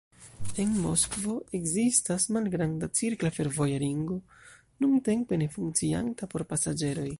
En Moskvo ekzistas "malgranda" cirkla fervoja ringo, nuntempe ne funkcianta por pasaĝeroj.